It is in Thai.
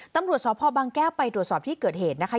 ตำรวจสพบางแก้วไปตรวจสอบที่เกิดเหตุนะคะ